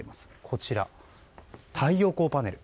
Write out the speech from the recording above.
こちら太陽光パネル。